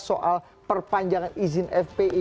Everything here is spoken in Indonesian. soal perpanjangan izin fpi